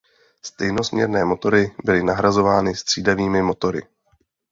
Stejnosměrné motory byly nahrazovány střídavými motory.